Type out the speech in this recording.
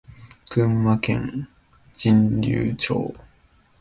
群馬県神流町